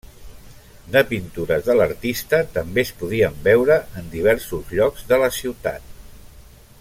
De pintures de l'artista també es podien veure en diversos llocs de la ciutat.